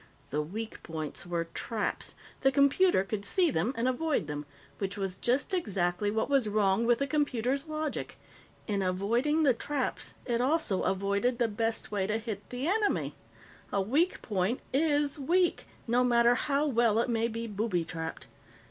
The weak points were traps; the computer could see them and avoid them. Which was just exactly what was wrong with the computer's logic. In avoiding the traps, it also avoided the best way to hit the enemy. A weak point is weak, no matter how well it may be booby trapped.